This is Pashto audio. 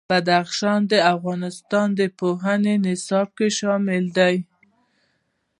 بدخشان د افغانستان د پوهنې نصاب کې شامل دي.